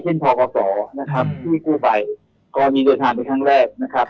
เช่นพคที่กู้ใบก็มีเดือนฐานเป็นทางแรก